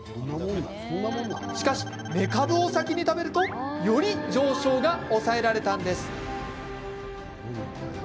しかし、めかぶを先に食べるとより上昇が抑えられたんです。